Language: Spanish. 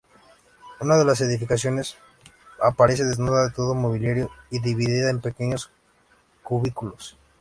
Una de las edificaciones aparece desnuda de todo mobiliario, y dividida en pequeños cubículos.